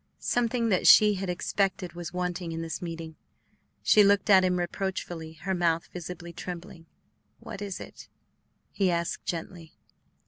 Something that she had expected was wanting in this meeting; she looked at him reproachfully, her mouth visibly trembling. "What is it?" he asked gently.